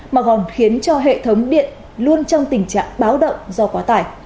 mà còn khiến cho hệ thống điện luôn trong tình trạng báo động do quá tải